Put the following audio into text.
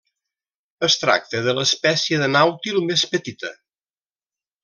Es tracta de l'espècie de nàutil més petita.